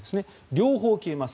両方消えます。